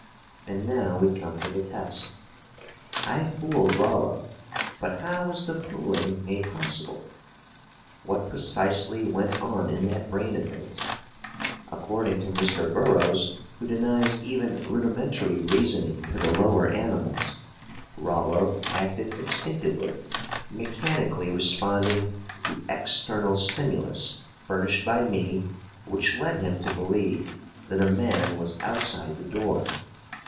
And now we come to the test. I fooled Rollo, but how was the fooling made possible? What precisely went on in that brain of his? According to Mr. Burroughs, who denies even rudimentary reasoning to the lower animals, Rollo acted instinctively, mechanically responding to the external stimulus, furnished by me, which led him to believe that a man was outside the door.